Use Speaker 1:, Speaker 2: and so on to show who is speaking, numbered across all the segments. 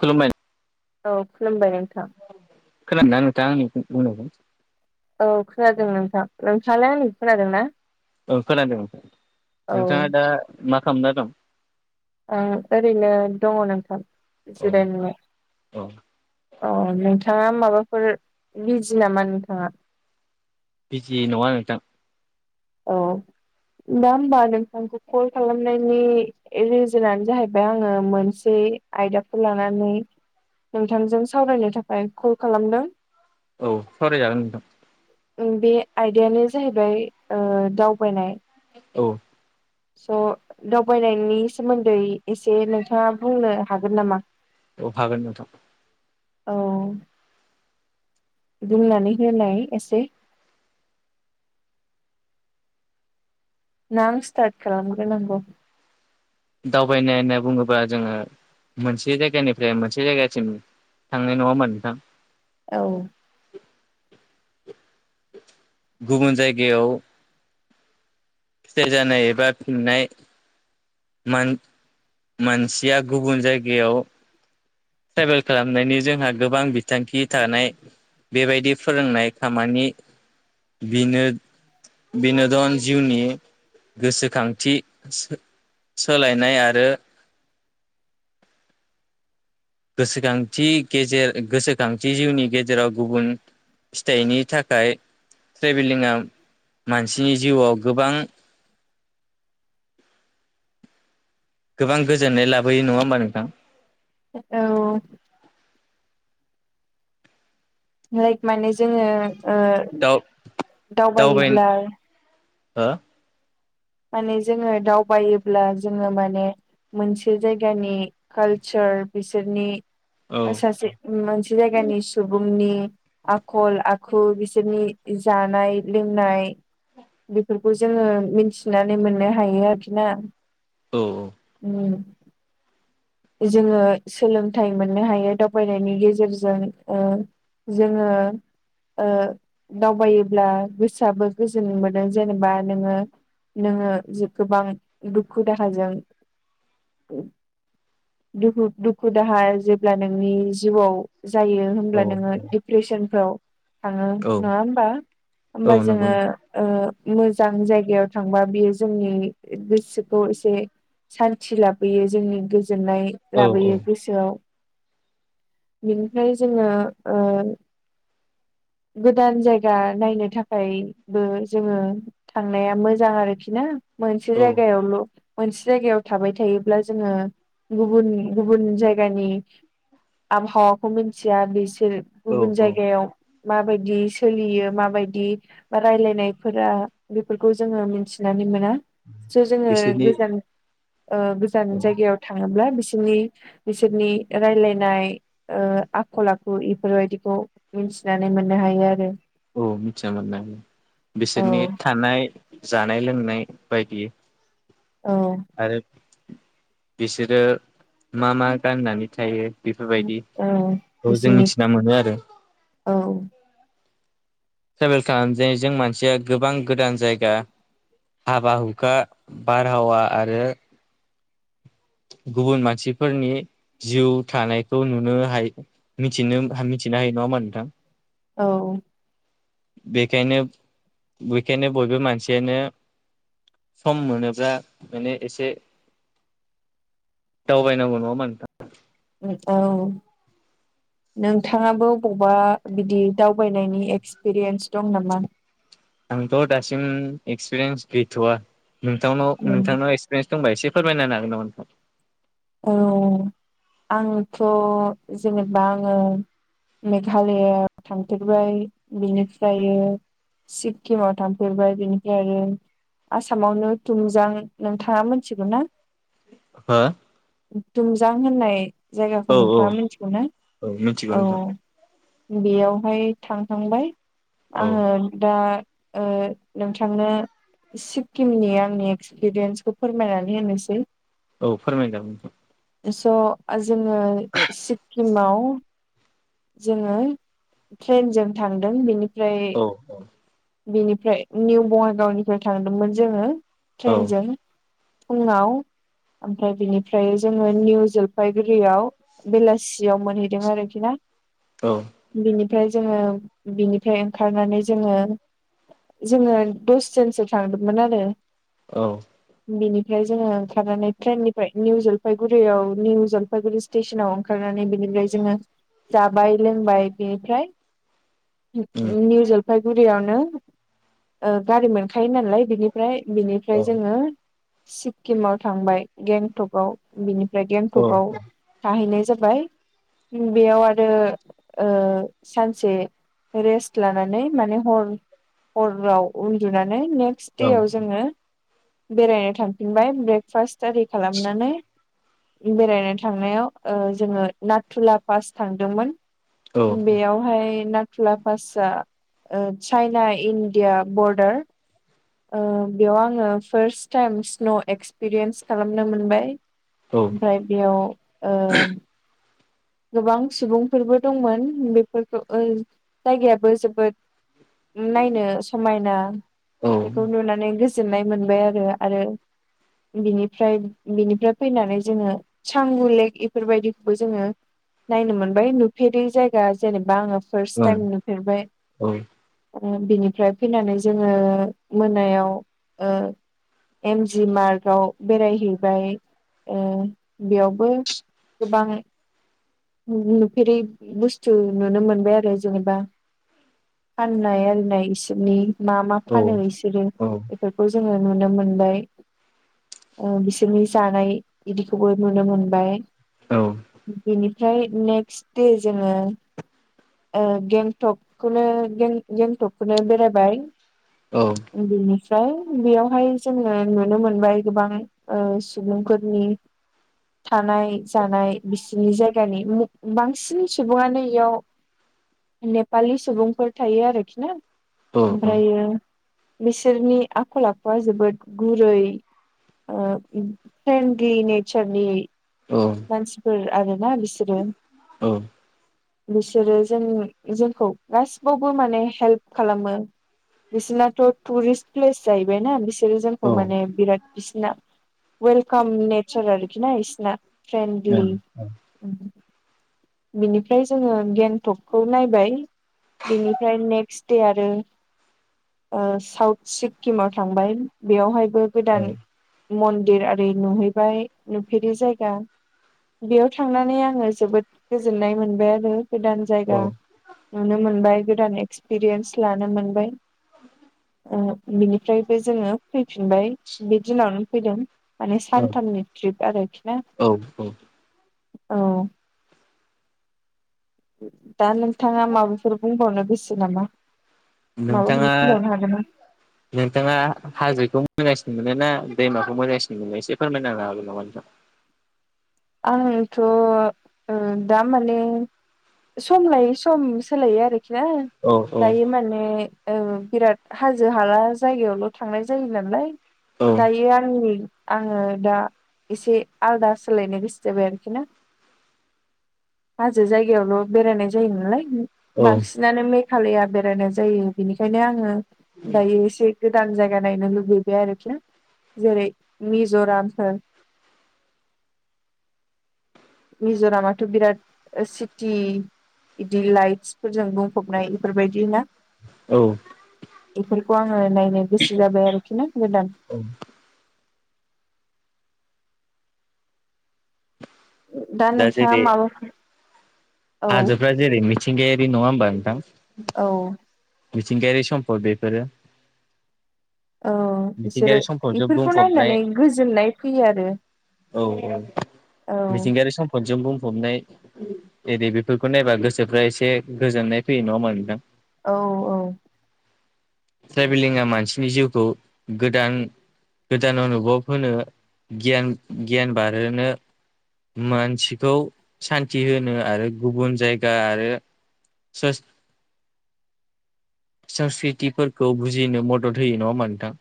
Speaker 1: खलुमाय
Speaker 2: औ खुलुमबाय नोंथां
Speaker 1: खोनादों ना नोंथां आंनि बुंनायखौ
Speaker 2: औ खोनादों नोंथां नोंथाङलाय आंनिखौ खोनादों ना
Speaker 1: ओं खोनादों
Speaker 2: औ
Speaker 1: नोंथाङा दा मा खालामना दं
Speaker 2: आं ओरैनो दङ नोंथां
Speaker 1: औ
Speaker 2: जिरायनानै
Speaker 1: औ
Speaker 2: औ नोंथाङा माबाफोर बिजि नामा नोंथाङा
Speaker 1: बिजि नङा नोंथां
Speaker 2: औ दा होमबा नोंथांखौ कल खालामनायनि रिजोनानो जाहैबाय आङो मोनसे आयदाखौ लानानै नोंथांजों सावरायनो थाखाय कल खालामदों
Speaker 1: औ सावरायजागोन नोंथां
Speaker 2: बे आयदायानो जाहैबाय ओ दावबायनाय
Speaker 1: औ
Speaker 2: स' दावबायनायनि सोमोन्दै एसे नोंथाङा बुंनो हागोन नामा
Speaker 1: अऔ हागोन नोंथां
Speaker 2: औ बुंनानै होनाय एसे नां स्टार्ट खालामग्रोनांगौ
Speaker 1: दावबायनाय होनना बुङोबा जोङो मोनसे जायगानिफ्राय मोनसे जायगासिम थांनाय नङा होमबा नोंथां
Speaker 2: औ
Speaker 1: गुबुन जायगायाव फिथाइ जानाय एबा फिननाय मानसिया गुबुन जायगायाव ट्रेभेल खालामनायनि जोंहा गोबां बिथांखि थानाय बेबायदि फोरोंनाय खामानि बिनो बिन'दन जिउनि गोसोखांथि सोलायनाय आरो गोसोखांथि गेजेर गोसोखांथि जिउनि गेजेराव गुबुन फिथाइनि थाखाय ट्रेभेलिंआ मानसिनि जिउआव गोबां गोबां गोजोननाय लाबोयो नङा होमबा नोंथां
Speaker 2: औ लाइक माने जोङो ओ
Speaker 1: दाउ दावबायनो
Speaker 2: दावबायोब्ला
Speaker 1: हो
Speaker 2: माने जोङो दावबायोब्ला जोङो माने मोनसे जायगानि कालचार बिसोरनि
Speaker 1: औ
Speaker 2: सासे मोनसे जायगानि सुबुंनि आखल आखु बिसोरनि जानाय लोंनाय बेफोरखौ जोङो मिथिनानै मोननो हायो आरोखि ना
Speaker 1: औ औ
Speaker 2: उम जोङो सोलोंथाइ मोननो हायो दावबायनायनि गेजेरजों जोङो ओ दावबायोब्ला गोसोआबो गोजोन मोनदों जेनेबा नोङो। नोङो गोबां दुखु दाहाजों दुुखु दुखु दाहा जेब्ला नोंनि जिउआव जायो।
Speaker 1: औ
Speaker 2: होनब्ला नोङो डिप्रेसनफ्राव थाङो
Speaker 1: औ
Speaker 2: नङा होमबा होमबा
Speaker 1: औ नंगौ
Speaker 2: जोङो
Speaker 1: नोंथां
Speaker 2: मोजां जायगायाव थांबा बियो जोंनि गोसोखौ एसे सान्थि लाबोयो जोंनि गोजोननाय
Speaker 1: औ औ
Speaker 2: लाबोयो गोसो ओ बिनिफ्राय जोङो गोदान जायगा नायनो थाखायबो जोङो थांनाया मोजां। मोजां आरोखि ना मोनसे
Speaker 1: औ
Speaker 2: जायगायावल' मोनसे जायगायाव थाबाय थायोब्ला जोङो गुबुन गुबुन जायगानि आबहावाखौ मिथिया
Speaker 1: औ
Speaker 2: गुबुन
Speaker 1: औ
Speaker 2: जायगायाव माबादि सोलियो माबादि रायलायनायफोरा बेफोरखौ जोङो मिथिनानै मोना जो
Speaker 1: बिसोरनि
Speaker 2: गोजान जायगायाव थाङोब्ला बिसोरनि बिसोरनि रायलायनाय आखल आखु बेफोरबादिखौ मिथिनानै मोननो हायो आरो।
Speaker 1: औ मिथिय मोननाय बिसोरनि
Speaker 2: औ
Speaker 1: थानाय जानाय लोंनाय बायदि।
Speaker 2: औ।
Speaker 1: आरो बिसोरो मा मा गाननानै थायो।
Speaker 2: औ
Speaker 1: बेफोरबादिखौ जों
Speaker 2: बिसोरनि
Speaker 1: मिथिना मोनो आरो।
Speaker 2: औ।
Speaker 1: ट्रेभेल खालामजों मानसिया गोबां गोदान जायगा हाबा हुखा बारहावा आरो गुबुन मानसिफोरनि जिउ थानायखौ नुनो हायो। मिथिनो मिथिनो हायो नङा होनबा नोंथां
Speaker 2: औ
Speaker 1: बेखायनो बेखायनो बयबो मानसियानो सम मोनोब्ला माने ए दावबायनांगौ नङा
Speaker 2: औ नोंथाङाबो बबेबा बिदि दावबायनायनि एक्सपिरियेन्स दंमोन
Speaker 1: आंथ' दासिम एक्सपिरियेन्स गैथ'वा नोंथां
Speaker 2: उम
Speaker 1: नोंथांनाव दंबा एसे फोरमायनो हागोन नामा?
Speaker 2: औ आंथ' जेनेबा आङो मेघालआव थांथेरबाय बेनिफ्राय। सिक्किमाव थांफेरबाय बिनिफ्राय आरो आसामावनो थुमजां नोंथाङा मिथिगोन
Speaker 1: हा
Speaker 2: दुमजां होननाय जायगाखौ
Speaker 1: औ औ
Speaker 2: नोंथाङा मिथिगौ ना
Speaker 1: औ मिथिगौ नोंथां
Speaker 2: औ बेयावहाय थांखांबाय
Speaker 1: औ
Speaker 2: आङो दा ओ नोंथांनो सिक्किमनि आंनि एक्सपिरियेन्सखौ फोरमायनानै होनोसै।
Speaker 1: औ फोरमायदों नोंथां
Speaker 2: स' जोङो सिक्किमा जोङो ट्रेनजों थांदों बेनिफ्राय
Speaker 1: नोंथां औ
Speaker 2: बेनिफ्राय निउ बङाइगावनिफ्राय थांदोंमोन जोङो
Speaker 1: औ
Speaker 2: ट्रेनजों। फुङाव ओमफ्राय बिनिफ्राय जोङो निउ जलफागुरियाव बेलासियाव मोनहैदों आरोखि आरो
Speaker 1: औ
Speaker 2: बिनिफ्राय जोङो बिनिफ्राय ओंखारनानै जोङो जोङो दसजोनसो थांदोंमोन आरो।
Speaker 1: औ
Speaker 2: बिनिफ्राय जोङो ओंखारनानै ट्रेननिफ्राय निउ जलफायगुरियाव निउ जलफायगुरि स्टेसनाव ओंखारनानै बेनिफ्राय जोङो जाबाय लोंबाय बेनिफ्राय
Speaker 1: उम
Speaker 2: [unintelligible] उफायगुरियावनो गारि मोनखायो नालाय बिनिफ्राय
Speaker 1: औ ओं औ
Speaker 2: बिनिफ्राय जोङो सिक्किमाव थांबाय गेंटकआव बिनिफ्राय गेंटकआव थाहैनाय जाबाय बेयाव आरो ओ आरो सानसे रेस् लानानै माने हर हराव उन्दुनानै नेक्स्ट देवाव जोङो बेरायनो थांफिनबाय ब्रेकफास्ट आरि खालामनानै बेरायनो थांनायाव ओ जोङो नाथुला पास थांदोंमोन बेयाव ओमाय नाथुला पासआ ओ चाइना इण्डिया बरडार। ओ बेयाव आङो फार्स् टाइम स्न' एक्सपिरियेन्स खालामनो मोनबाय। ओमफ्राय बेयाव ओ गोबां सुबुंफोरबो दंमोन बेफोरखौ जायगायाबो जोबोद नायनो समायना बेखौ नुनानै गोजोननाय मोनबाय आरो आरो बिनिफ्राय बिनिफ्राय फैनानै जोङो सांगु लेक बेफोरबायदिखौबो जोङो नायनो मोनबाय नुफेरै जायगा जेनेबा आङो फार्स्ट टाइम नुफेरबाय। ओ बिनिफ्राय फैनानै जोङो मोनायाव ओ एमजि मार्कव बेरायहैबाय ओ बेयावबो गोबां नुफेरै बुस्थु नुनो मोनबाय आरो जेनेबा फाननाय आरिनाय बिसोरनि मा मा
Speaker 1: औ ओं
Speaker 2: फानो बिसोरो।
Speaker 1: औ
Speaker 2: बेफोरखौ जोङो नुनो मोनबाय। बिसोरनि जानाय बिदिखौबो नुनो मोनबाय बेनिफ्राय ओमफ्राय नेक्स्ट दे जोङो गेंटकखौनो गेंटकखौनो बेरायबाय।
Speaker 1: औ
Speaker 2: बिनिफ्राय बेयावहाय जोङो नुनो मोनबाय गोबां सुबुंफोरनि थानाय जानाय बिसिनि जायगायाव जानि बांसिन सुबुङानो इयाव नेपालि सुबुंफोर थायो आरोखि ना ओमफ्रायो बिसोरनि आखल आखुा जोबोद गुरै फ्रेन्डलि नेचारनि
Speaker 1: औ
Speaker 2: मानसिफोर आरोना बिसोरो। बिसोरो जों जोंखौ गासिबावबो माने हेल्प खालामो। बिसोरनाथ' टुरिस्ट प्लेस जाहैबायना बिसि बिसोरो जोंखौ माने बिराद बिसिोरना वेलकाम नेचार आरोखि ना बिसोरना। फ्रेन्डलि बिनिफ्राय जोङो गेन्टकखौ नायबाय। बेनिफ्राय नेक्स्ट से आरो साउथ सिक्किमाव थांबाय बेयावहाय गोदान मन्दिर आररि नुहैबाय नुफेरि जायगा बेयाव थांनानै आङो जोबोद गोजोननाय मोनबाय आरो गोदान
Speaker 1: औ
Speaker 2: जायगा। नुनो मोनबाय गोदान एक्सपिरियेन्स लानो मोनबाय।
Speaker 1: [inaudible]
Speaker 2: बिनिफ्रायबो जोङो फैफिनबाय बे दिनावनो फैदों। माने सानथामनि ट्रिप आरोखि ना।
Speaker 1: औ औ।
Speaker 2: औ। दा नोंथाङा माबाफोर बुंबावनो गोसो नामा? माबाफोर
Speaker 1: नोंथाङा
Speaker 2: बुंबावनो हागोन ना?
Speaker 1: नोंथाङा हाजोखौ मोनोगासिनो मोनो ना दैमाखौ मोगासिनो मोनो एसे फोरमायनांनो हागोन नामा नोंथां?
Speaker 2: आंथ' दामाने सम लायै सम सोलायो आरोखि ना।
Speaker 1: औ
Speaker 2: दायो माने बिराद हाजो हाला जायगायावल' थांनाय जायो नालाय।
Speaker 1: औ
Speaker 2: दायो आंनि आङो दा एसे आलादा सोलायनो गोसो। बाय आरोखि ना हाजो जायगायावल' बेरायनाय जायो नालाय।
Speaker 1: औ
Speaker 2: बांसिनानो मेघालया बेरायनाय जायो बेनिखायनो आङो दायो एसे गोदान जायगा नायनो लुुबैबाय आरोखि जेरै मिज'रामफोर मिज'रामाथ' बिराद सिटि बिदि लाइटस फोरजों बुं फबनाय बेफोरबायदि ना
Speaker 1: औ
Speaker 2: बेफोरखौ आङो नायनो बेसि जाबाय आरोखि ना गोदान।
Speaker 1: औ।
Speaker 2: दा नोंसा माबाफोर
Speaker 1: हाजोफ्रा जेरै मिथिंगायारि नङा होमबा नोंथां?
Speaker 2: औ।
Speaker 1: मिथिंगायारि सम्पद बेफोरो।
Speaker 2: औ बिसोरो
Speaker 1: मिथिंगायारि सम्पदजों
Speaker 2: इफोरखौ
Speaker 1: बुंफबनाय
Speaker 2: नायनानै गोजोननाय फैयो आरो।
Speaker 1: औ औ
Speaker 2: औ
Speaker 1: मिथिंगायारि सम। खनजोंजों बुंफबनाय एरदि बेफोरखौ नायबा गोसोफ्रा एसे गोजोननाय फैयो नङामा नोंथां?
Speaker 2: औ औ।
Speaker 1: ट्रेभेलिंआ मानसिनि जिउखौ गोदान गोदान अनुभब होनो गियान गियान बारहोनो मानसिखौ सान्थि होनो आरो गुबुन जायगा आरो सा- सांस्कृत खिफोरखौ बुजिनो मदद होयो नङा होमबा नोंथां?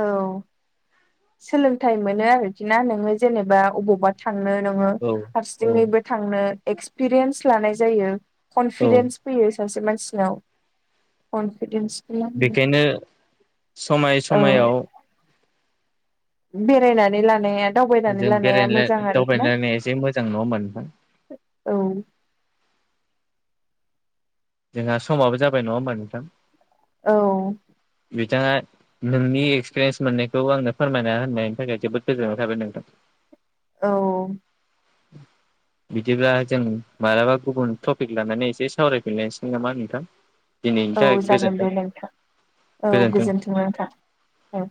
Speaker 2: औ सोलोंथाइ मोनो आरोखि ना नोङो जेनेबा अबावबा थांनो नोङो
Speaker 1: औ औ
Speaker 2: हारसिङैबो थांनो एक्सपिरियेन्स लानाय जायो।
Speaker 1: औ
Speaker 2: कनफिदेन्स फैयो सासे मानसिनाव कनफिदेन्स
Speaker 1: बेखायनो समाय
Speaker 2: औ
Speaker 1: समायाव
Speaker 2: बेरायनानै लानाया दावबायनानै
Speaker 1: जों
Speaker 2: लानाया
Speaker 1: बेराय
Speaker 2: मोजां आरोखि ना
Speaker 1: दावबायलायनाय एसे मोजां नङा होमबा नोंथां?
Speaker 2: औ।
Speaker 1: जोंहा समाबो जाबाय नङा होमबा नोंथां?
Speaker 2: औ।
Speaker 1: बिथाङा नोंनि एक्सपिरियेन्स मोननायखौ आंनो फोरमायना होननायनि थाखाय जोबोद गोजोननाय थाबाय नोंथां।
Speaker 2: औ।
Speaker 1: बिदिब्ला जों मालाबा गुबुन टपिक लानानै एसे सावरायफिनलायसैगोन नामा नोंथां? दिनैनि
Speaker 2: औ
Speaker 1: थाखाय
Speaker 2: जागोन
Speaker 1: गोजोनथों
Speaker 2: दे नोंथा औ गोजोन्थों नोंथा औ।